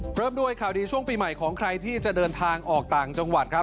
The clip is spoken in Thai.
เริ่มด้วยข่าวดีช่วงปีใหม่ของใครที่จะเดินทางออกต่างจังหวัดครับ